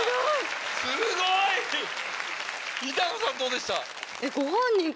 すごい！板野さんどうでした？